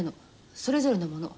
それぞれのもの。